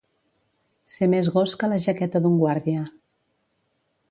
Ser més gos que la jaqueta d'un guàrdia.